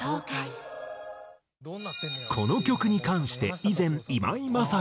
この曲に関して以前今井マサキは。